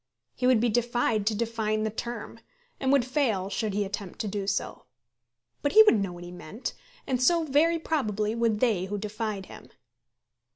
He would be defied to define the term, and would fail should he attempt to do so. But he would know what he meant, and so very probably would they who defied him.